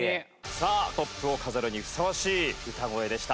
さあトップを飾るにふさわしい歌声でした。